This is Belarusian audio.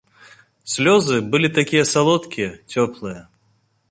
Слёзы былі такія салодкія, цёплыя.